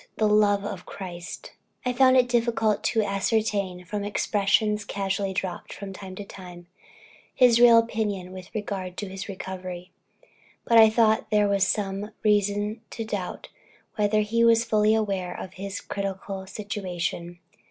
the love of Christ!" I found it difficult to ascertain, from expressions casually dropped, from time to time, his real opinion with regard to his recovery; but I thought there was some reason to doubt whether he was fully aware of his critical situation.